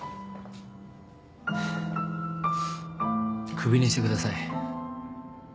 首にしてください。